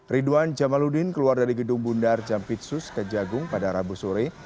ridwan jamaludin keluar dari gedung bundar jampitsus kejagung pada rabu sore